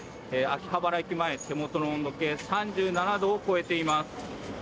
秋葉原駅前、手元の温度計３７度を超えています。